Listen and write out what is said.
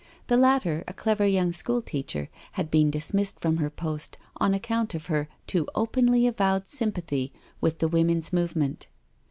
The latter, a clever young school teacher, had been dismissed from her post on account of her too openly avowed sympathy with the Woman's Movement.